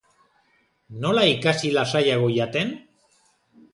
Nola ikasi lasaiago jaten?